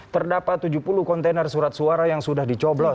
terdapat tujuh puluh kontainer surat suara yang sudah dicoblos